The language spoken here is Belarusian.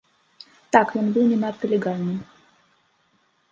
Так, ён быў не надта легальны.